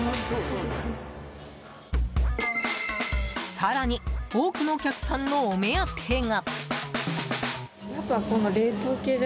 更に、多くのお客さんのお目当てが。